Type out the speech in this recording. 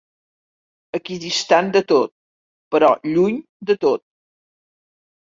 Equidistant de tot, però lluny de tot.